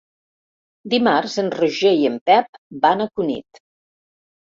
Dimarts en Roger i en Pep van a Cunit.